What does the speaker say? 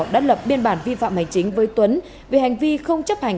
đã lập biên bản vi phạm hành chính với tuấn vì hành vi không chấp hành